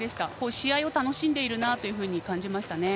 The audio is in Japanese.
試合を楽しんでいるなと感じましたね。